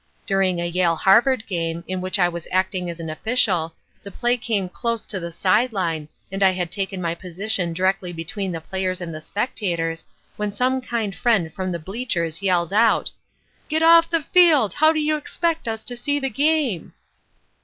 During a Yale Harvard game, in which I was acting as an official, the play came close to the side line, and I had taken my position directly between the players and the spectators, when some kind friend from the bleachers yelled out: "Get off the field, how do you expect us to see the game?"